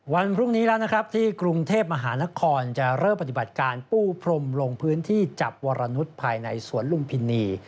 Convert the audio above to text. วันพรุ่งนี้แล้วนะครับที่กรุงเทพมหานครจะเริ่มปฏิบัติการปูพรมลงพื้นที่จับวรนุษย์ภายในสวนลุมพินี